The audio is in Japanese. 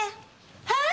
はい？